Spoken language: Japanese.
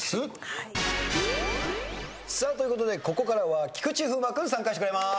さあということでここからは菊池風磨君参加してくれます。